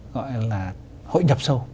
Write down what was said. gọi là hội nhập sâu